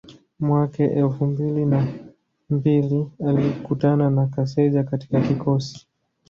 mwaka elfu mbili na mbili alikutana na Kaseja katika kikosi